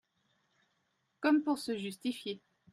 Comme pour se justifier.